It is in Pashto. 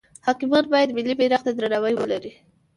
حاکمان باید ملی بیرغ ته درناوی ولری.